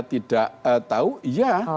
tidak tahu iya